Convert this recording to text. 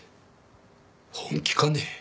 本気かね？